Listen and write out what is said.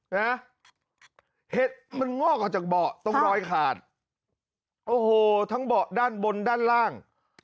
เห็ดมันงอกออกจากเบาะตรงรอยขาดโอ้โหทั้งเบาะด้านบนด้านล่าง